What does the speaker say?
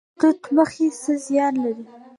توت مخي څه زیان لري؟